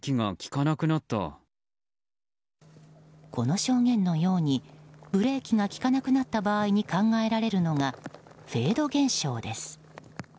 この証言のようにブレーキが利かなくなった場合に考えられるのがフェード現象です。